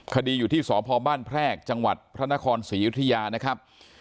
คดีอยู่ที่สพบ้านแพรกจังหวัดพระนครศรีอยุธยานะครับ